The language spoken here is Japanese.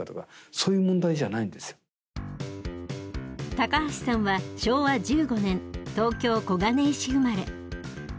高橋さんは昭和１５年東京・小金井市生まれ。